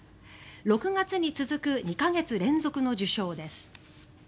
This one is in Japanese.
６月に続く２か月連続の受賞です。